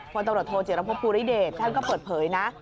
พตโจรพพุริเดชท่านก็เปิดเผยนะ